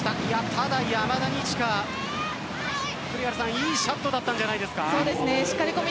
ただ、山田二千華いいシャットだったんじゃないですか。